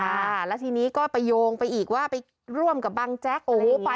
ค่ะแล้วทีนี้ก็ไปโยงไปอีกว่าไปร่วมกับบังแจ๊กโอ้โหไป